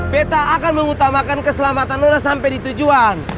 beta akan mengutamakan keselamatan nona sampai di tujuan